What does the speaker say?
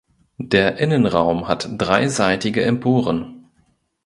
Der Innenraum hat dreiseitige Emporen.